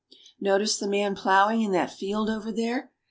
Notice the man plowing in that field over there.